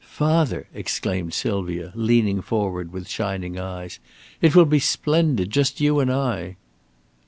"Father!" exclaimed Sylvia, leaning forward with shining eyes. "It will be splendid. Just you and I!"